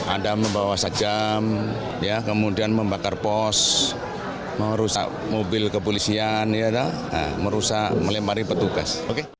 anda membawa sajam kemudian membakar pos merusak mobil kepolisian merusak melempari petugas